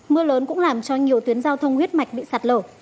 mưa lớn cũng làm cho nhiều tuyến giao thông huyết mạch bị sạt lở